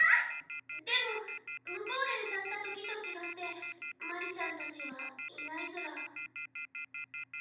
でも向こうで歌った時と違って鞠莉ちゃんたちはいないずら。